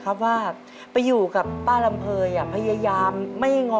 ขยันทุกอย่าง